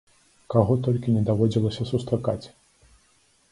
Каго толькі не даводзілася сустракаць!